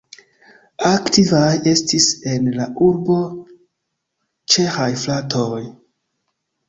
Aktivaj estis en la urbo ĉeĥaj fratoj.